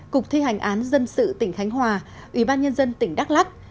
cục thi hành án dân sự tỉnh khánh hòa ủy ban nhân dân tỉnh đắk lắc